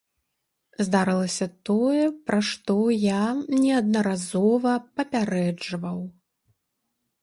Здарылася тое, пра што я неаднаразова папярэджваў.